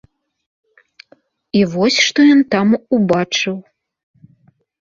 І вось што ён там убачыў.